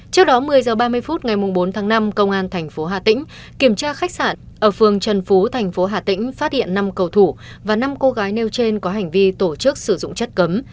trước đó một mươi h ba mươi phút ngày bốn tháng năm công an thành phố hà tĩnh kiểm tra khách sạn ở phường trần phú thành phố hà tĩnh phát hiện năm cầu thủ và năm cô gái nêu trên có hành vi tổ chức sử dụng chất cấm